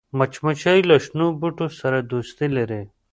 مچمچۍ له شنو بوټو سره دوستي لري